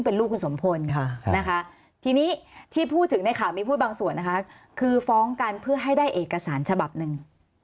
พูดถึงในข่าวมีพูดบางส่วนนะคะคือฟ้องกันเพื่อให้ได้เอกสารฉบับหนึ่ง